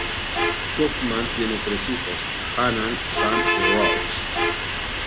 Kauffman tiene tres hijos, Hannah, Sam y Rose.